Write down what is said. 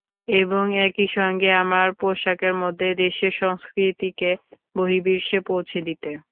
এবং একই সঙ্গে আমার পোশাকের মধ্যে দেশের সংস্কৃতিকে বহির্বিশ্বে পৌঁছে দিতে।